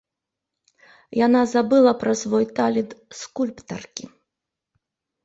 Яна забыла пра свой талент скульптаркі.